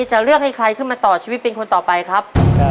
จะเลือกให้ใครขึ้นมาต่อชีวิตเป็นคนต่อไปครับ